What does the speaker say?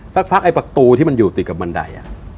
สักพักไอ้ประตูที่มันอยู่ติดกับบันได